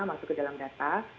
masuk ke dalam data